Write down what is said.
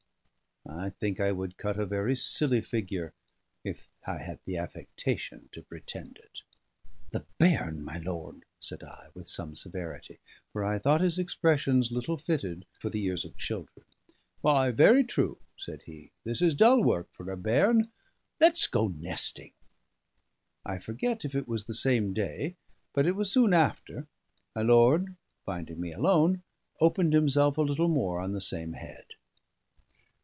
I think I would cut a very silly figure if I had the affectation to pretend it." "The bairn, my lord!" said I, with some severity, for I thought his expressions little fitted for the ears of children. "Why, very true," said he. "This is dull work for a bairn. Let's go nesting." I forget if it was the same day, but it was soon after, my lord, finding me alone, opened himself a little more on the same head.